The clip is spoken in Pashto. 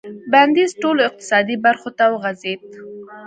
بندیز ټولو اقتصادي برخو ته وغځېد.